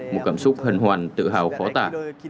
một cảm xúc hân hoan tự hào khó tả